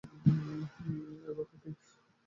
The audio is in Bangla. এর ব্যাখ্যা কী?